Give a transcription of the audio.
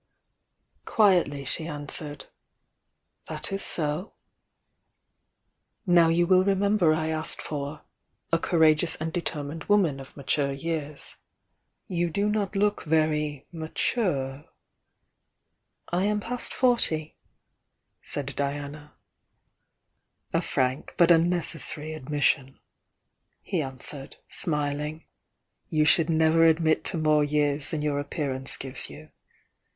Quietly she answered: "That is so." "1 ow you will remember I asked for 'a courageous and determined woman of mature years.' You do not look very 'mature' " "I am past forty," said Diana. THE YOUNG DIANA 107 "A frank, but unnecessary admission," he an swered, smiling. "You should never admit to more years than your appearance gives you.